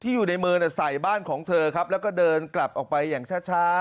อยู่ในมือใส่บ้านของเธอครับแล้วก็เดินกลับออกไปอย่างช้า